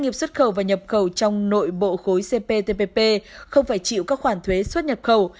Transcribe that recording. nghiệp xuất cầu và nhập cầu trong nội bộ khối cptpp không phải chịu các khoản thuế xuất nhập cầu